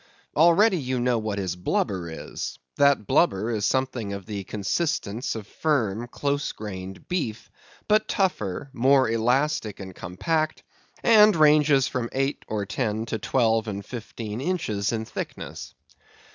Already you know what his blubber is. That blubber is something of the consistence of firm, close grained beef, but tougher, more elastic and compact, and ranges from eight or ten to twelve and fifteen inches in thickness.